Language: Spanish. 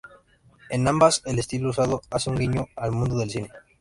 En ambas el estilo usado hace un guiño al mundo del cine.